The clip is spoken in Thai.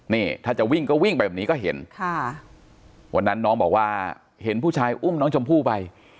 นี่ถ้าจะวิ่งก็วิ่งไปแบบนี้ก็เห็นค่ะวันนั้นน้องบอกว่าเห็นผู้ชายอุ้มน้องชมพู่ไป